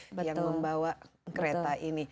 maksudnya lokomotif yang membawa kereta ini